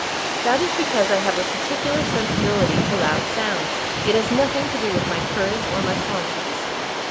"That is because I have a particular sensibility to loud sounds; it has nothing to do with my courage or my conscience."